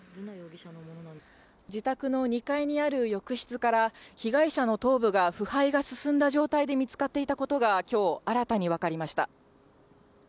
自宅の２階にある浴室から、被害者の頭部が腐敗が進んだ状態で見つかっていたことがきょう、新たに分かりました。